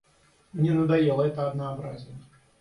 Мне надоело это однообразие.